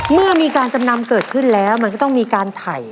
เมื่อมีการจำนำเกิดขึ้นแล้วมันก็ต้องมีการไถ่